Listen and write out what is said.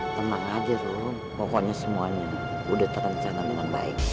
tenang aja tuh pokoknya semuanya udah terencana dengan baik